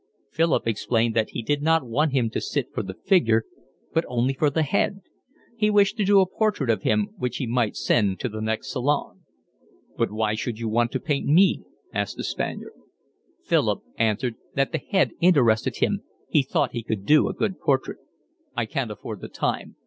Philip explained that he did not want him to sit for the figure, but only for the head; he wished to do a portrait of him which he might send to the next Salon. "But why should you want to paint me?" asked the Spaniard. Philip answered that the head interested him, he thought he could do a good portrait. "I can't afford the time.